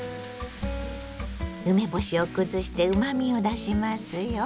梅干しを崩してうまみを出しますよ。